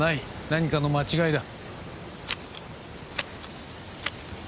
何かの間違いだ。